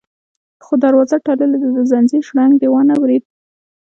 _خو دروازه تړلې ده، د ځنځير شرنګ دې وانه ورېد؟